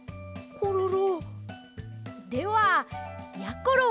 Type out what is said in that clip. コロロ。